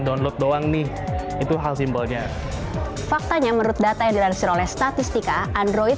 download doang nih itu hal simbolnya faktanya menurut data yang dilansir oleh statistika android